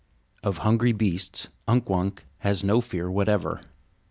Of hungry beasts Unk Wunk has no fear whatever.